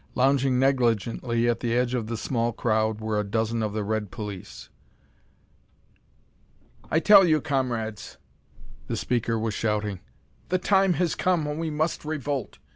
Lounging negligently at the edge of the small crowd were a dozen of the red police. "I tell you, comrades," the speaker was shouting, "the time has come when we must revolt.